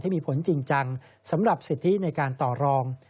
มีผลจริงจังสำหรับสิทธิในการต่อรอง